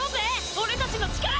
俺たちの力！